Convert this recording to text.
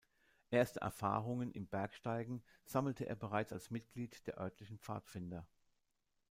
Erste Erfahrungen im Bergsteigen sammelte er bereits als Mitglied der örtlichen Pfadfinder.